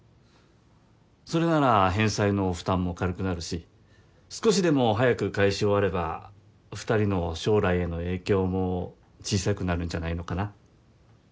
それなら返済の負担も軽くなるし少しでも早く返し終われば２人の将来への影響も小さくなるんじゃないのかな？